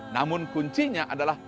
namun kuncinya adalah